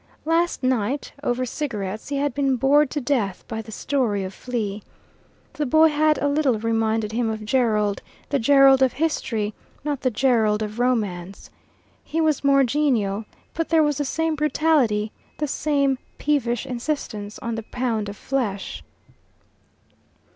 Last night, over cigarettes, he had been bored to death by the story of Flea. The boy had a little reminded him of Gerald the Gerald of history, not the Gerald of romance. He was more genial, but there was the same brutality, the same peevish insistence on the pound of flesh.